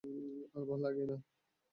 আর ভাল্লেগা না।